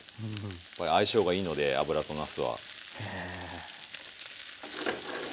相性がいいので脂となすは。